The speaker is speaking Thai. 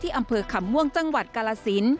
อำเภอขำม่วงจังหวัดกาลสิน